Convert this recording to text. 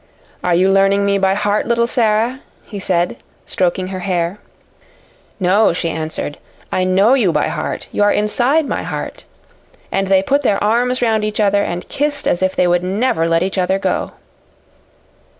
"Are you learning me by heart, little Sara?" he said, stroking her hair. "No," she answered. "I know you by heart. You are inside my heart." And they put their arms round each other and kissed as if they would never let each other go.